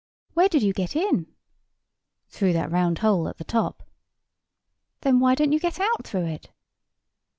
"Where did you get in?" "Through that round hole at the top." "Then why don't you get out through it?"